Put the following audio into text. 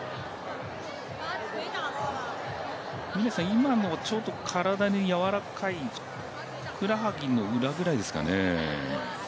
今の、体のやわらかいふくらはぎの裏ぐらいですかね。